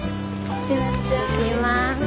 行ってきます。